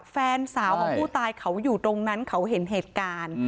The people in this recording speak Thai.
แฟนสาวของผู้ตายเขาอยู่ตรงนั้นเขาเห็นเหตุการณ์